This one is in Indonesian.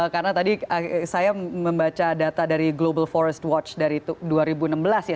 karena tadi saya membaca data dari global forest watch dari dua ribu enam belas ya